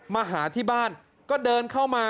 มาหาที่บ้านก็เดินเข้ามา